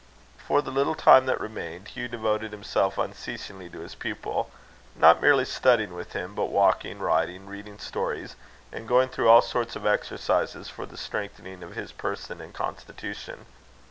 For the little time that remained, Hugh devoted himself unceasingly to his pupil; not merely studying with him, but walking, riding, reading stories, and going through all sorts of exercises for the strengthening of his person and constitution.